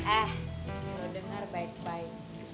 eh lu dengar baik baik